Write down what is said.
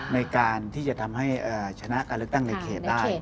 ในการที่จะทำให้ชนะการเลือกตั้งในเขตได้